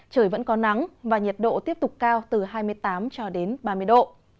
trời vẫn có nắng và nhiệt độ tiếp tục cao từ hai mươi tám cho đến ba mươi độ